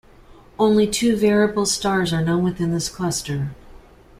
Only two variable stars are known within this cluster.